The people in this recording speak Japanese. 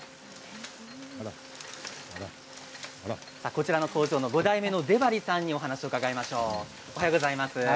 こちらの工場の５代目の出張さんにお話を伺いましょう。